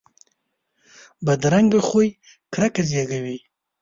بدرنګه خوی کرکه زیږوي